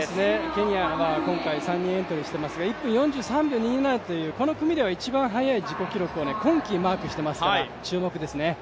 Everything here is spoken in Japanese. ケニアが今回３人エントリーしていますがこの組では一番速い自己記録を今季マークしていますから、注目ですね。